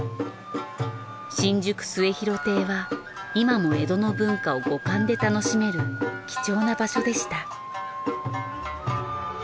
新宿末廣亭は今も江戸の文化を五感で楽しめる貴重な場所でした。